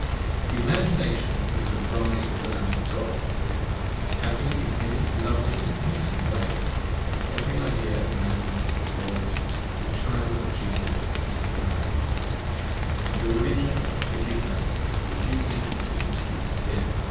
The Imagination was the Bride of the Lamb of God, happy in many lovely and innocent ways, and every idea of man was the "child of Jesus and his Bride" in the religion of for giveness, refusing to impute sin.